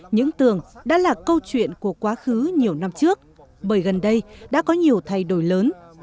những tường đã là câu chuyện của quá khứ nhiều năm trước bởi gần đây đã có nhiều thay đổi lớn